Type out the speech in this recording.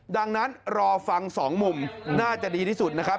ดังนั้นรอฟังสองมุมน่าจะดีที่สุดนะครับ